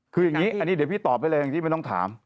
คืออย่างนี้อันนี้เดี๋ยวพี่ตอบได้เลยอย่างที่ไม่ต้องถาม